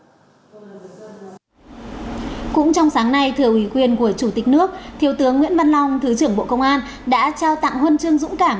cũng trong sáng nay thừa ủy quyền của chủ tịch nước thiếu tướng nguyễn văn long thứ trưởng bộ công an đã trao tặng huân chương dũng cảm